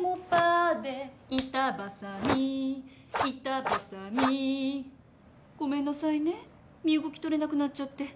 「板挟み板挟み」ごめんなさいね身動きとれなくなっちゃって。